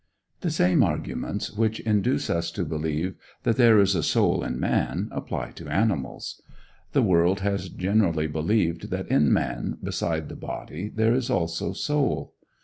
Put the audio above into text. The same arguments which induce us to believe that there is a soul in man apply to animals. The world has generally believed that in man, beside the body, there is also soul.